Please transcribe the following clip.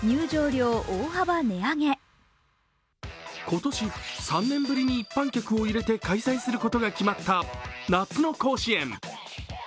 今年３年ぶりに一般客を入れて開催することが決まった夏の甲子園。